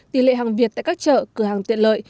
tỷ lệ hàng việt tại các chợ cửa hàng tiện lợi